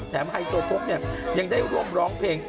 ไฮโซโพกเนี่ยยังได้ร่วมร้องเพลง